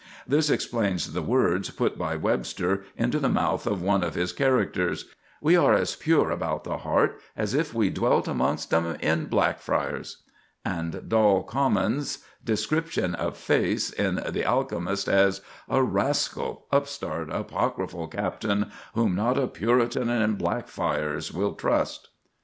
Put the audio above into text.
This explains the words put by Webster into the mouth of one of his characters: "We are as pure about the heart as if we dwelt amongst 'em in Blackfriars," and Doll Common's description of Face, in "The Alchemist," as— "A rascal, upstart, apocryphal captain, Whom not a Puritan in Blackfriars will trust."